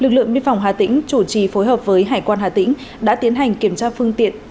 lực lượng biên phòng hà tĩnh chủ trì phối hợp với hải quan hà tĩnh đã tiến hành kiểm tra phương tiện